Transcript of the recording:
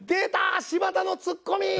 柴田のツッコミ！